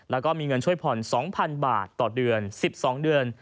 แล้วก็มีเงินช่วยผ่อน๒๐๐๐บาทต่อเดือน๑๒เดือน